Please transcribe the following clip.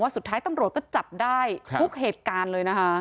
สุดท้ายตำรวจก็จับได้ทุกเหตุการณ์เลยนะคะ